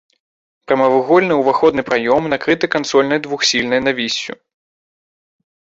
Прамавугольны ўваходны праём накрыты кансольнай двухсхільнай навіссю.